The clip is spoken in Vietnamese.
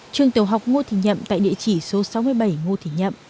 trường tiểu học ngô thị nhậm tại địa chỉ số sáu mươi bảy ngô thị nhậm